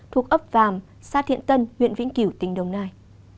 thuộc ấp vàm xa thiện tân huyện vĩnh cửu tỉnh đồng nai